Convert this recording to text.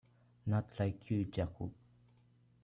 Not like you, Jakub.